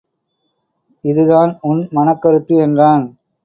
இதுதான் உன் மனக்கருத்து என்றான்.